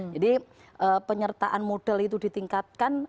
jadi penyertaan modal itu ditingkatkan